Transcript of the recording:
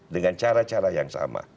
dengan cara cara yang sama